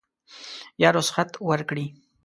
یا رخصت ورکړي.